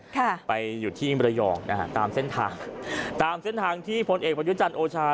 ค่ะไปอยู่ที่มรยองนะฮะตามเส้นทางตามเส้นทางที่พลเอกประยุจันทร์โอชา